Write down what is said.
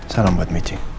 salam buat michi